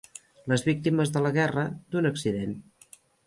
Les víctimes de la guerra, d'un accident.